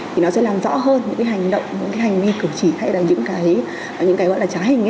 thì nó sẽ làm rõ hơn những cái hành động những cái hành vi cử chỉ hay là những cái gọi là trá hình